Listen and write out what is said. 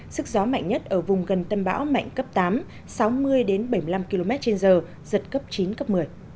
sức gió mạnh nhất ở vùng gần tâm bão mạnh cấp tám sáu mươi bảy mươi năm km trên giờ giật cấp chín cấp một mươi